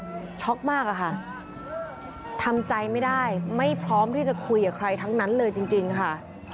ช็อกมากอะค่ะทำใจไม่ได้ไม่พร้อมที่จะคุยกับใครทั้งนั้นเลยจริงค่ะ